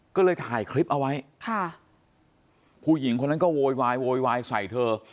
ก็เลยถ่ายคลิปเอาไว้ค่ะผู้หญิงคนนั้นก็โวยวายโวยวายใส่เธอ